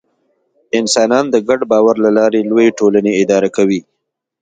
انسانان د ګډ باور له لارې لویې ټولنې اداره کوي.